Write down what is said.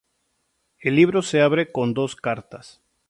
El libro se abre con dos cartas.